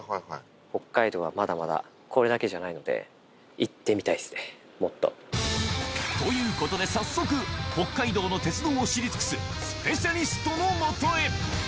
北海道はまだまだこれだけじゃないので、ということで、早速、北海道の鉄道を知り尽くすスペシャリストのもとへ。